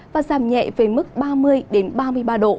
và giảm nhẹ về mức ba mươi ba mươi ba độ